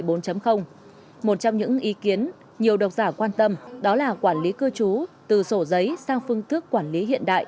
một trong những ý kiến nhiều độc giả quan tâm đó là quản lý cư trú từ sổ giấy sang phương thức quản lý hiện đại